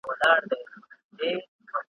دغه توري سپيني ږيري ,